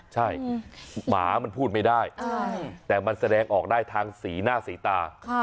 ใช่หมามันพูดไม่ได้แต่มันแสดงออกได้ทางสีหน้าสีตา